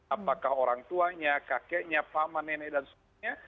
apakah orang tuanya kakeknya paman nenek dan sebagainya